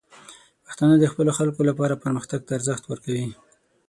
پښتانه د خپلو خلکو لپاره پرمختګ ته ارزښت ورکوي.